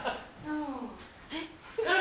えっ。